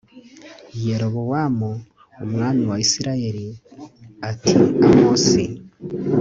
yerobowamu umwami wa isirayeli ati amosi